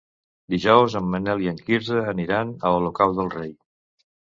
Dijous en Manel i en Quirze aniran a Olocau del Rei.